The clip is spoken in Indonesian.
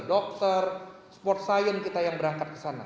dokter sport science kita yang berangkat kesana